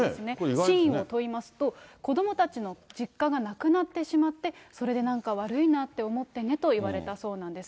真意を問いますと、子どもたちの実家がなくなってしまって、それでなんか悪いなって思ってねと言われたそうなんです。